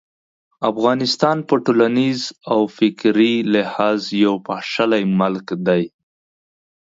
افغانستان په ټولنیز او فکري لحاظ یو پاشلی ملک دی.